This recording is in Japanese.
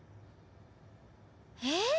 えっ！